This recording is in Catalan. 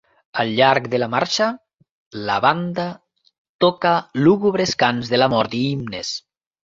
Al llarg de la marxa, la banda toca lúgubres cants de la mort i himnes.